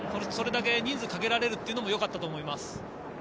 それだけ人数をかけられるというのも良かったと思います。